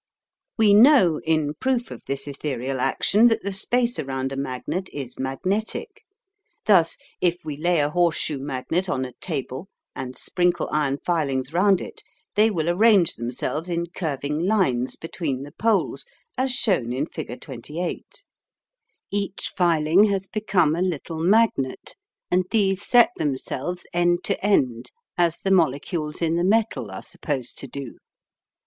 We know in proof of this ethereal action that the space around a magnet is magnetic. Thus, if we lay a horse shoe magnet on a table and sprinkle iron filings round it, they will arrange themselves in curving lines between the poles, as shown in figure 28. Each filing has become a little magnet, and these set themselves end to end as the molecules in the metal are supposed to do.